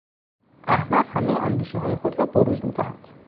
احمق همهی اندیشههای خود را بروز میدهد.